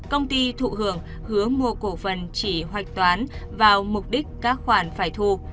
công ty thụ hưởng hứa mua cổ phần chỉ hoạch toán vào mục đích các khoản phải thu